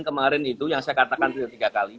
kemarin itu yang saya katakan sudah tiga kali